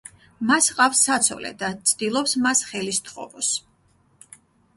მას ჰყავს საცოლე და ცდილობს მას ხელი სთხოვოს.